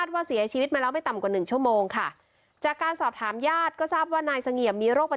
นอนเสียชีวิตขวางประตูหน้าบ้านพักหลัง๑ใน